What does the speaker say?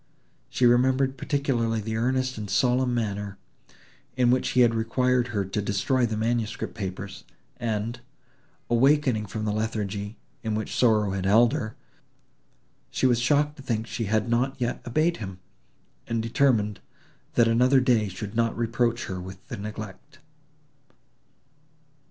She remembered particularly the earnest and solemn manner, in which he had required her to destroy the manuscript papers, and, awakening from the lethargy, in which sorrow had held her, she was shocked to think she had not yet obeyed him, and determined, that another day should not reproach her with the neglect.